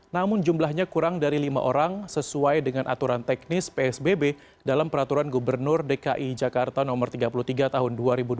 namun jumlahnya kurang dari lima orang sesuai dengan aturan teknis psbb dalam peraturan gubernur dki jakarta no tiga puluh tiga tahun dua ribu dua puluh